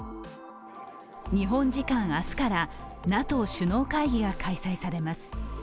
日本時間明日からＮＡＴＯ首脳会議が開催されます。